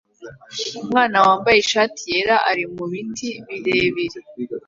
Umwana wambaye ishati yera ari mubiti birebire